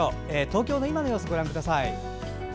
東京の今の様子ご覧ください。